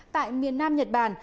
tại miền nam nhật bản